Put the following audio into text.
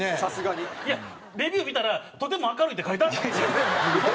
いやレビュー見たら「とても明るい」って書いてあった。